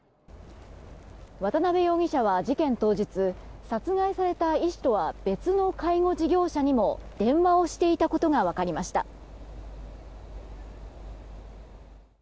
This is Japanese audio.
渡辺容疑者は事件当日殺害された医師とは別の介護事業者にも電話をしていたことが分かりました。